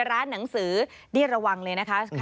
ของตัวเองนะ